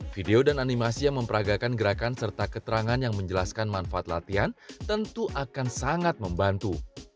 video dan animasi yang memperagakan gerakan serta keterangan yang menjelaskan manfaat latihan tentu akan sangat membantu